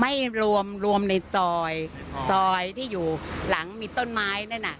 ไม่รวมรวมในซอยซอยที่อยู่หลังมีต้นไม้นั่นน่ะ